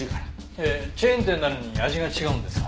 えっチェーン店なのに味が違うんですか？